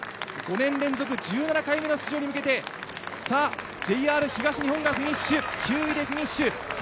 ５年連続１７回目の出場に向けてＪＲ東日本が９位でフィニッシュ。